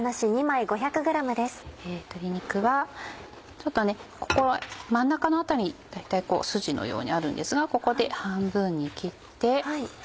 鶏肉は真ん中の辺りに大体スジのようにあるんですがここで半分に切って。